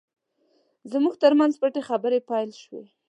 زموږ ترمنځ پټې خبرې پیل شوې.